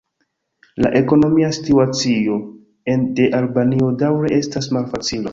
La ekonomia situacio de Albanio daŭre estas malfacila.